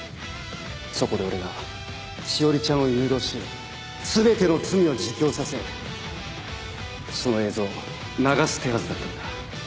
そこで俺が詩織ちゃんを誘導し全ての罪を自供させその映像を流す手はずだったんだ。